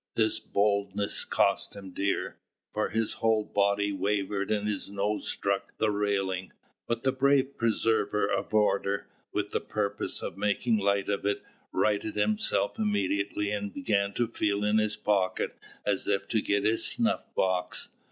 This boldness cost him dear; for his whole body wavered and his nose struck the railing; but the brave preserver of order, with the purpose of making light of it, righted himself immediately, and began to feel in his pocket as if to get his snuff box.